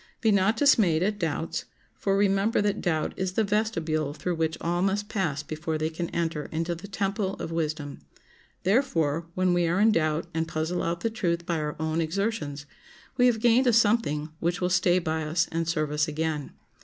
Be not dismayed at doubts, for remember that doubt is the vestibule through which all must pass before they can enter into the temple of wisdom; therefore, when we are in doubt and puzzle out the truth by our own exertions, we have gained a something which will stay by us and serve us again.